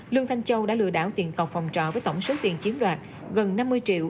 lương thanh châu đã lừa đảo tiền cọc phòng trọ với tổng số tiền chiếm đoạt gần năm mươi triệu